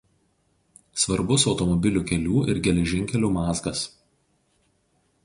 Svarbus automobilių kelių ir geležinkelių mazgas.